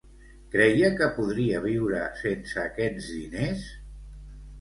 Creia que podria viure sense aquests diners?